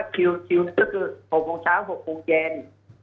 คือ๖โมงเช้า๖โมงเจน